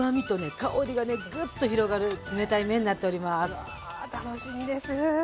うわ楽しみです。